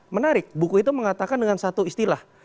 menarik buku itu mengatakan dengan satu istilah